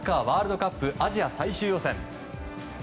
ワールドカップアジア最終予選。